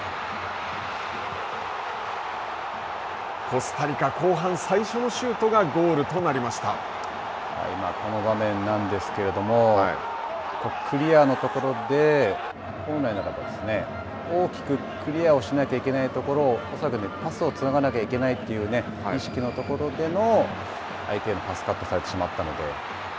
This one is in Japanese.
コスタリカ、後半最初のシュートが今、この場面なんですけれども、クリアのところで本来ならばですね、大きくクリアをしないといけないところパスをつながなきゃいけないという意識のところでの相手へのパスカットされてしまったので。